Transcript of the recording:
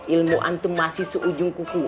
ilmu antem masih seujung kuku